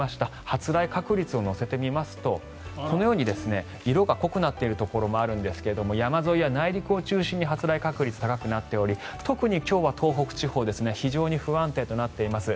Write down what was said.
発雷確率を載せてみますとこのように色が濃くなっているところもあるんですが山沿いや内陸を中心に発雷確率が高くなっており特に今日は東北地方非常に不安定となっています。